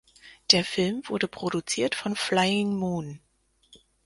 Der Film wurde produziert von Flying Moon.